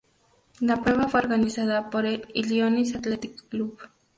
La prueba fue organizada por el Illinois Athletic Club.